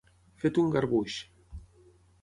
Fet un garbuix.